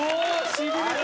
しびれた。